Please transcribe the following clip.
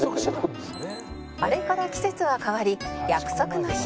「あれから季節は変わり約束の日」